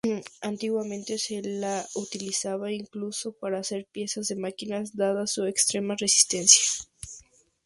Antiguamente se la utilizaba incluso para hacer piezas de máquinas, dada su extrema resistencia.